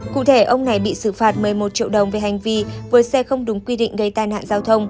cụ thể ông này bị xử phạt một mươi một triệu đồng về hành vi với xe không đúng quy định gây tai nạn giao thông